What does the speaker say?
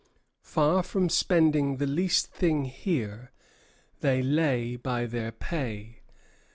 Far from spending the least thing here, they lay by their pay.